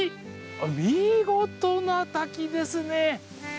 見事な滝ですね。